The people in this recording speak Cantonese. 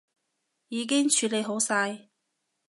已經處理好晒